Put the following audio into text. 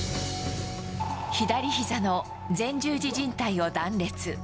左ひざの前十字じん帯を断裂。